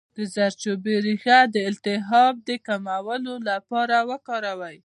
د زردچوبې ریښه د التهاب د کمولو لپاره وکاروئ